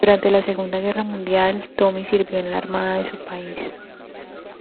Durante la Segunda Guerra Mundial, Tommy sirvió en la armada de su país.